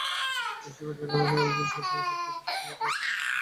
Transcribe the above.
বিশেষ করে যেখানে আমরা জুজুৎসু সর্সারাররা কোনোরুপ বিশ্বাস ছাড়াই বিদ্যমান।